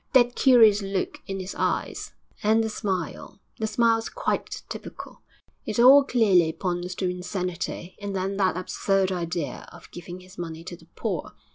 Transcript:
That curious look in his eyes, and the smile the smile's quite typical. It all clearly points to insanity. And then that absurd idea of giving his money to the poor!